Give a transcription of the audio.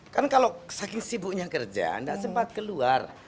karena kalau saking sibuknya kerja nggak sempat keluar